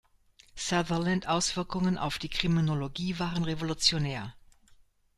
Sutherland Auswirkungen auf die Kriminologie waren revolutionär.